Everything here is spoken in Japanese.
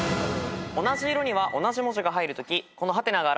同じ色には同じ文字が入るとき。